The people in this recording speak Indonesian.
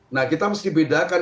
nah kita mesti bedakan